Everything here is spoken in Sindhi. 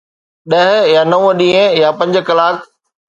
ڏهه يا نو ڏينهن يا پنج ڪلاڪ؟